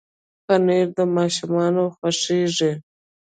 پنېر د ماشومانو خوښېږي.